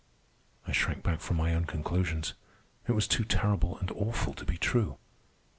I shrank back from my own conclusions. It was too terrible and awful to be true.